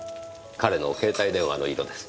彼の携帯電話の色です。